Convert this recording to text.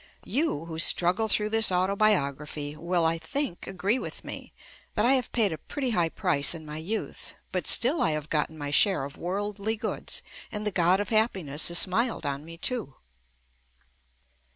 You, who struggle through this autobiography, will, I think, agree with me that I have paid a pretty high price in my youth, but still I have gotten my share of worldly goods and the God of Happiness has smiled on me too.